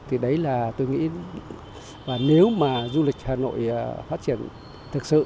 thì đấy là tôi nghĩ và nếu mà du lịch hà nội phát triển thực sự